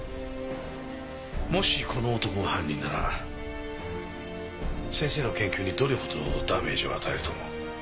もしこの男が犯人なら先生の研究にどれほどのダメージを与えると思う？